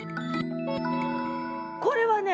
これはね